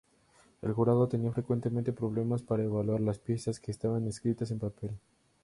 El jurado tenía frecuentemente problemas para evaluar las piezas, que estaban escritas en papel.